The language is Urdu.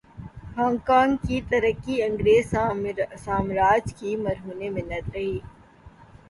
ہانگ کانگ کی ترقی انگریز سامراج کی مرہون منت رہی۔